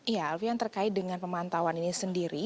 ya alfian terkait dengan pemantauan ini sendiri